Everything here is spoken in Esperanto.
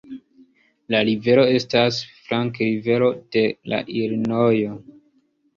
La rivero estas flankrivero de la Ilinojo.